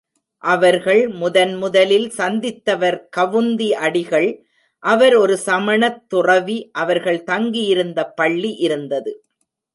அவர்கள் முதன் முதலில் சந்தித்தவர் கவுந்தி அடிகள் அவர் ஒரு சமணத்துறவி, அவர்கள் தங்கி இருந்த பள்ளி இருந்தது.